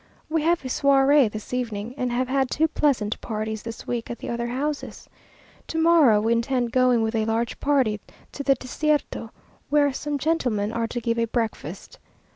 We have a soirée this evening, and have had two pleasant parties this week at the other houses. To morrow we intend going with a large party to the Desierto, where some gentlemen are to give a breakfast.